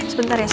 sebentar ya sa